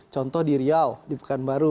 contoh di riau di pekanbaru